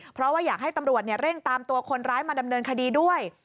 เพราะว่าอยากให้ตำรวจเร่งตามตัวคนร้ายมาดำเนินคดีด้วย